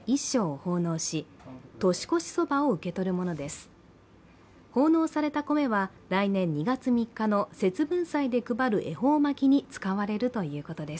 奉納された米は来年２月３日の節分祭で配る恵方巻に使われるということです。